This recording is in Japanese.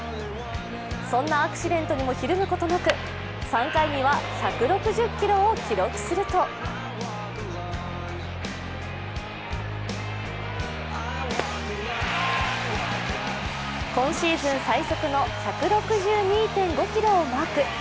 そんなアクシデントにもひるむことなく３回には１６０キロを記録すると今シーズン最速の１６２．５キロをマーク。